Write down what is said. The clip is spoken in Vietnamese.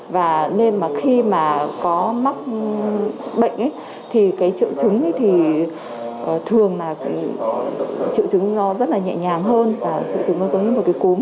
và nên mà khi mà có mắc bệnh thì cái triệu chứng thì thường là triệu chứng nó rất là nhẹ nhàng hơn và triệu chứng nó giống như một cái cúm